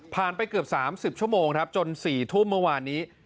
ผ่านไปเกือบ๓๐ชั่วโมงจน๔ทุ่มเมื่อวานนี้